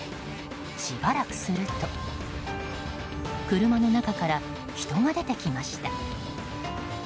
しばらくすると車の中から人が出てきました。